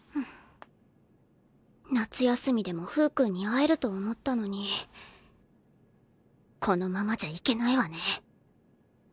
夏休みでもフー君に会えると思ったのにこのままじゃいけないわね